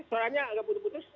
suaranya agak putus putus